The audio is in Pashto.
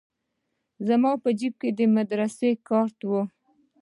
زما په جيب کښې د مدرسې کارت و.